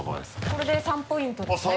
これで３ポイントですね。